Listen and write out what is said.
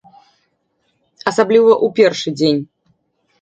Асабліва ў першы дзень.